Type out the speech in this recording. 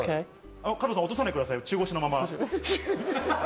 加藤さん、起こさないでください、中腰のまま。